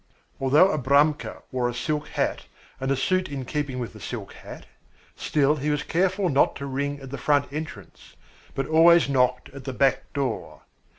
Although Abramka wore a silk hat and a suit in keeping with the silk hat, still he was careful not to ring at the front entrance, but always knocked at the back door.